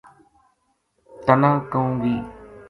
تنا کہوں گی